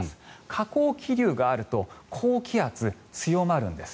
下降気流があると高気圧、強まるんです。